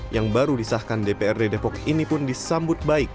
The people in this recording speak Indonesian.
yang baru disahkan dprd depok ini pun disambut baik